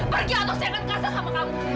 pergi atau saya akan kasa sama kamu